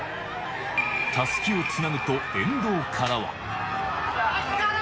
たすきをつなぐと、沿道からお疲れ！